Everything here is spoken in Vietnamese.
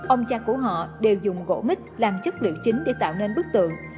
ông cha của họ đều dùng gỗ mít làm chất liệu chính để tạo nên bức tượng